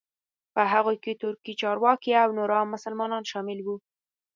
په هغوی کې ترکي چارواکي او نور عام مسلمانان شامل وو.